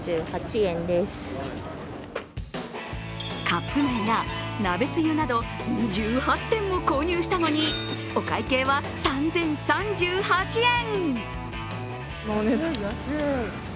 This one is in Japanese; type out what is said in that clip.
カップ麺や鍋つゆなど２８点も購入したのにお会計は３０３８円！